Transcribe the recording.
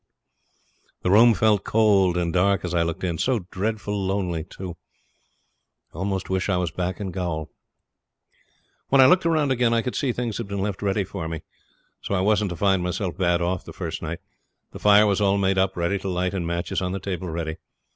The room felt cold and dark as I looked in. So dreadful lonely, too. I almost wished I was back in the gaol. When I looked round again I could see things had been left ready for me, so as I wasn't to find myself bad off the first night. The fire was all made up ready to light, and matches on the table ready.